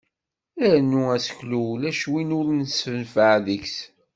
Arnu aseklu ulac win ur nessenfeɛ deg-s.